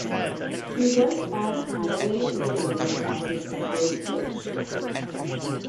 He works at Adelaide United, as the Specialist Coach.